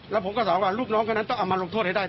แล้วผมก็สอนว่าลูกน้องคนนั้นต้องเอามาลงโทษให้ได้